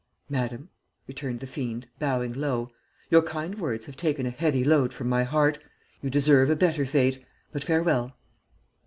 "'Madam,' returned the fiend, bowing low, 'your kind words have taken a heavy load from my heart. You deserve a better fate; but farewell.'